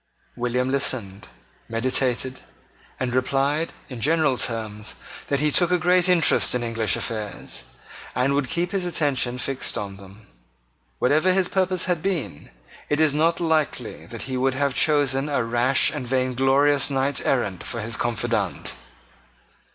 William listened, meditated, and replied, in general terms, that he took a great interest in English affairs, and would keep his attention fixed on them. Whatever his purpose had been, it is not likely that he would have chosen a rash and vainglorious knight errant for his confidant.